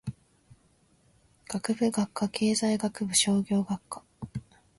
学部・学科経済学部商業学科